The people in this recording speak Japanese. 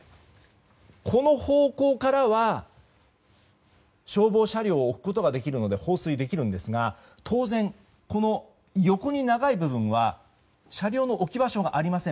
この方向からは、消防車両を置くことができるので放水できますが当然、横に長い部分は車両の置き場所がありません。